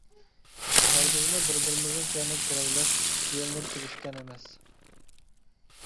ھەرگىزمۇ بىر-بىرىمىزنىڭ كەينىگە كىرىۋېلىپ، يېلىنىپ تېگىشكەن ئەمەس.